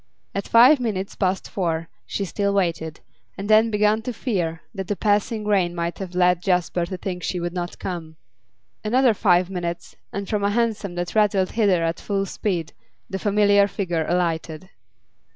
At five minutes past four she still waited, and had begun to fear that the passing rain might have led Jasper to think she would not come. Another five minutes, and from a hansom that rattled hither at full speed, the familiar figure alighted.